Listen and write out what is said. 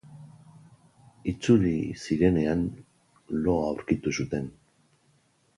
Itzuli zirenean, lo aurkitu zuten.